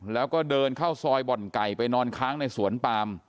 แล้วก็เดินเข้าซอยบ่อนไก่ไปนอนค้างในสวนปาม